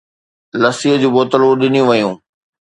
لسي جون بوتلون ڏنيون ويون.